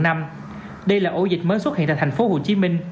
đây là ổ dịch mới xuất hiện tại tp hcm